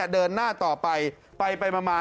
เดินหน้าต่อไปไปมา